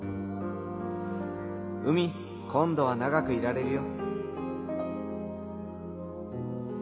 海今度は長くいられるよ。